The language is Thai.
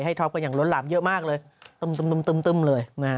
ท็อปกันอย่างล้นหลามเยอะมากเลยตึ้มเลย